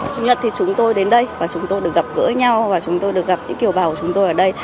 chúng tôi đến đây và chúng tôi được gặp gỡ nhau và chúng tôi được gặp những kiểu bào của chúng tôi ở đây